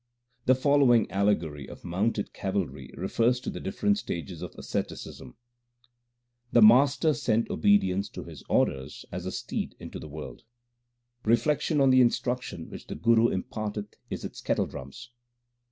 The following allegory of mounted cavalry refers to the different stages of asceticism : The Master sent obedience to His orders as a steed into the world ; Reflection on the instruction which the Guru imparteth is its kettle drums.